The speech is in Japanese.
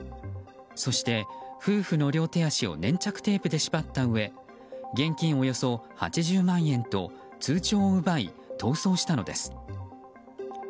そして、夫婦の両手足を粘着テープで縛ったうえ現金およそ８０万円と通帳を奪い逃走したのです。